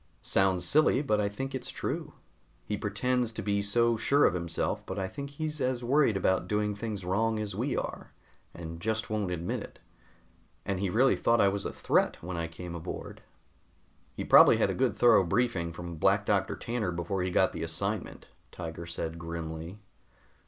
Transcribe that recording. "Sounds silly, but I think it's true. He pretends to be so sure of himself, but I think he's as worried about doing things wrong as we are, and just won't admit it. And he really thought I was a threat when I came aboard." "He probably had a good thorough briefing from Black Doctor Tanner before he got the assignment," Tiger said grimly.